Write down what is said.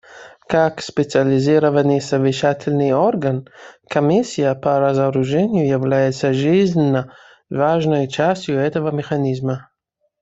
Как специализированный совещательный орган, Комиссия по разоружению является жизненно важной частью этого механизма.